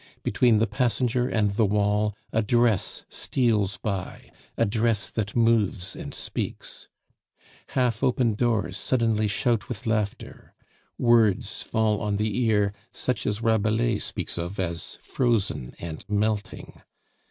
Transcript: Between the passenger and the wall a dress steals by a dress that moves and speaks. Half open doors suddenly shout with laughter. Words fall on the ear such as Rabelais speaks of as frozen and melting.